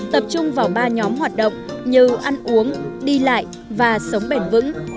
tập trung vào ba nhóm hoạt động như ăn uống đi lại và sống bền vững